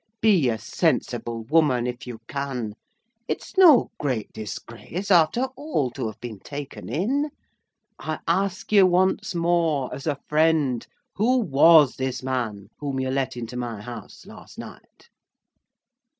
Be a sensible woman, if you can. It's no great disgrace, after all, to have been taken in. I ask you once more—as a friend—who was this man whom you let into my house last night?"